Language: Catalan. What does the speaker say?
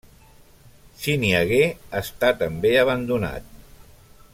Si n'hi hagué, està també abandonat.